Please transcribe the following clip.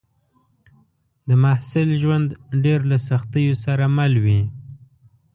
د محصل ژوند ډېر له سختیو سره مل وي